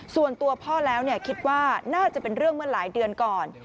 ส่วนตัวพ่อแล้วคิดว่าน่าจะเป็นเรื่องเมื่อหลายเดือนก่อน